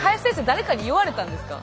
誰かに言われたんですか？